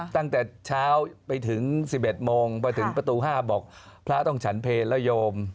ตั้งแต่เช้าไปถึง๑๑โมงไปถึงประตู๕บอกพระต้องฉันเพลแล้วโยม